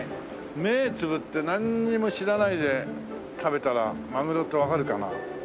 目つぶってなんにも知らないで食べたらマグロってわかるかな？